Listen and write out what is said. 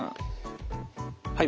はい。